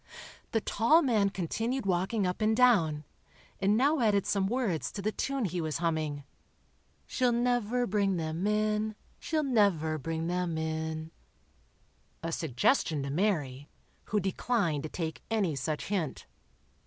The tall man continued walking up and down, and now added some words to the tune he was humming: "She'll never bring them in—she'll never bring them in,"—a suggestion to Mary, who declined to take any such hint.